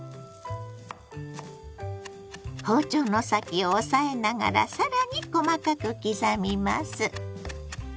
包丁の先を押さえながら更に細かく刻みます。